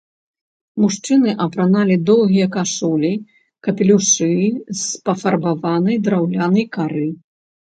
Мужчыны апраналі доўгія кашулі, капелюшы з пафарбаванай драўнянай кары.